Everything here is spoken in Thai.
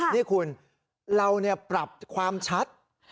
นี่คุณเราปรับความชัด